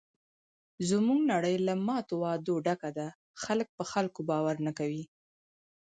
زموږ نړۍ له ماتو وعدو ډکه ده. خلک په خلکو باور نه کوي.